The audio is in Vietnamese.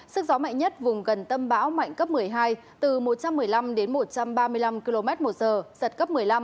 sức gió mạnh nhất vùng gần tâm bão mạnh cấp một mươi hai từ một trăm một mươi năm đến một trăm ba mươi năm km một giờ giật cấp một mươi năm